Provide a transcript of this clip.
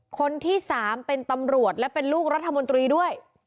คนที่๓เป็นตำรวจและเป็นลูกรัฐมนตรีด้วย